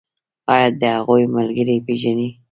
ایا د هغوی ملګري پیژنئ؟